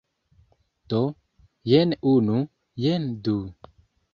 Do, jen unu jen du